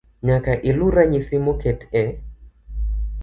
Nyaka iluw ranyisi moket e